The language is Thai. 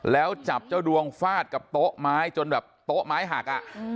แล้วจับเจ้าดวงฟาดกับโต๊ะไม้จนแบบโต๊ะไม้หักอ่ะ